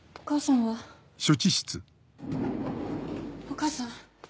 お母さんは？